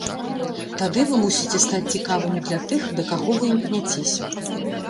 Тады вы мусіце стаць цікавымі для тых, да каго вы імкняцеся.